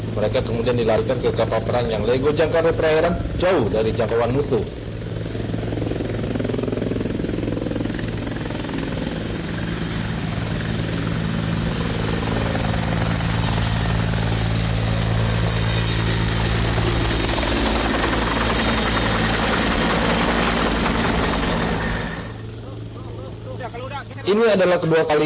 mereka kemudian dilarikan ke kapal perang yang lego jangkauan perairan jauh dari jangkauan musuh